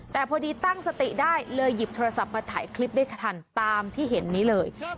แต่พอดีตั้งสติได้เลยหยิบโทรศัพท์มาถ่ายคลิปได้ทันตามที่เห็นนี้เลย